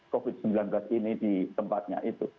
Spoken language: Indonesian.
covid sembilan belas ini di tempatnya itu